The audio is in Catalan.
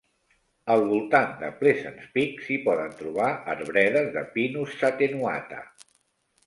Al voltant de Pleasants Peak s'hi poden trobar arbredes de "Pinus attenuata".